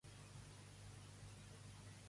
El tipus de tots els llenguatges recursius es diu R.